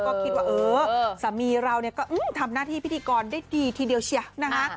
ก็คิดว่าเออสามีเราเนี่ยก็ทำหน้าที่พิธีกรได้ดีทีเดียวเชียนะคะ